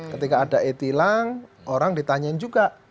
ketika ada e tilang orang ditanyain juga